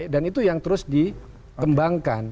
dan itu yang terus dikembangkan